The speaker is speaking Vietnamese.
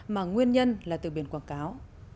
mà nguyên nhân là từ biển quảng cáo